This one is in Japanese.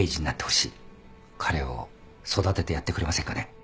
彼を育ててやってくれませんかね。